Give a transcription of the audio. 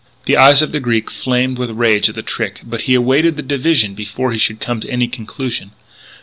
The eyes of the Greek flamed with rage at the trick, but he awaited the division before he should come to any conclusion.